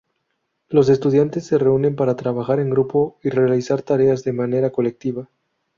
Los estudiantes se reúnen para trabajar en grupo y realizar tareas de manera colectiva.